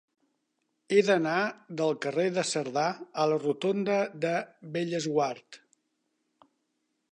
He d'anar del carrer de Cerdà a la rotonda de Bellesguard.